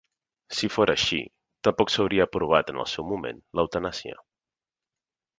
Si fora així, tampoc s'hauria aprovat en el seu moment l'eutanàsia.